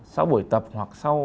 sau buổi tập hoặc sau